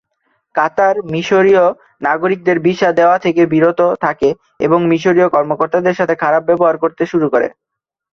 কাতার মিশরীয় নাগরিকদের ভিসা দেয়া থেকে বিরত থাকে এবং মিশরীয় কর্মকর্তাদের সাথে খারাপ ব্যবহার করতে শুরু করে।